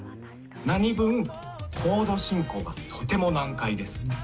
なにぶん、コード進行がとても難解です。